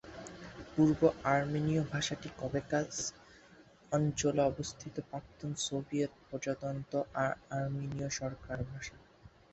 পূর্ব আর্মেনীয় ভাষাটি ককেসাস অঞ্চলে অবস্থিত প্রাক্তন সোভিয়েত প্রজাতন্ত্র আর্মেনিয়ার সরকারি ভাষা।